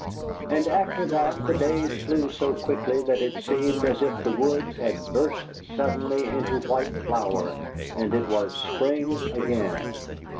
And after that the days flew so quickly that it seemed as if the woods had burst suddenly into white flower, and it was spring again.